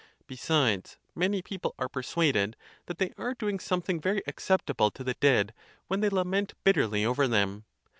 Besides, many peo ple are persuaded that they are doing something very ac ceptable to the dead when they lament bitterly over them.